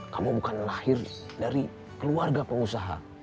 kamu bukan lahir dari keluarga pengusaha